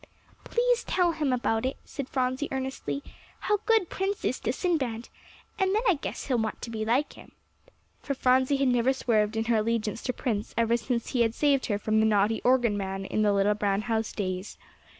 "Please tell him about it," said Phronsie earnestly, "how good Prince is to Sinbad, and then I guess he'll want to be like him." For Phronsie had never swerved in her allegiance to Prince ever since he saved her from the naughty organ man in the little brown house days.